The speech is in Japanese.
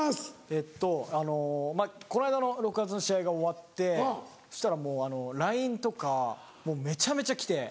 えっとあのこの間の６月の試合が終わってそしたらもうあのＬＩＮＥとかめちゃめちゃ来て。